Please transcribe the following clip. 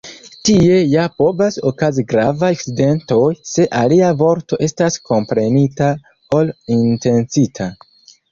Tie ja povas okazi gravaj akcidentoj, se alia vorto estas komprenita ol intencita.